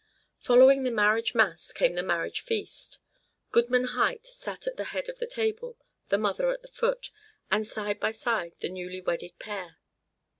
Following the marriage mass came the marriage feast. Goodman Huyt sat at the head of the table, the mother at the foot, and, side by side, the newly wedded pair.